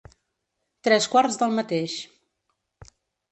Tres quarts del mateix.